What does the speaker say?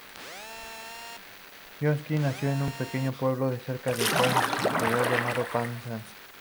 Josh Jenkins, nació en un pequeño pueblo cerca de Cornwall, Inglaterra, llamado Penzance.